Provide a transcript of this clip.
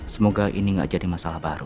semoga ini gak jadi masalah baru